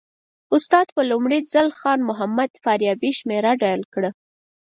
استاد په لومړي ځل خان محمد فاریابي شمېره ډایل کړه.